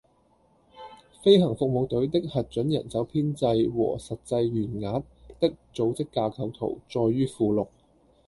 飛行服務隊的核准人手編制和實際員額的組織架構圖載於附錄